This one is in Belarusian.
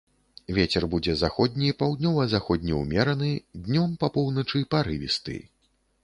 Вецер будзе заходні, паўднёва-заходні ўмераны, днём па поўначы парывісты.